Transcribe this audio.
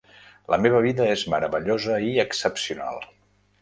La meva vida és meravellosa i excepcional